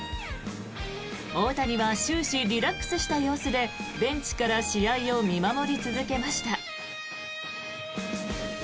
大谷は終始リラックスした様子でベンチから試合を見守り続けました。